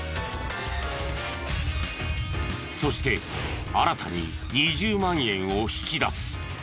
そして新たに２０万円を引き出す。